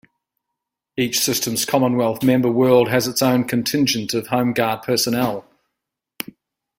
Each Systems Commonwealth member world has its own contingent of Home Guard personnel.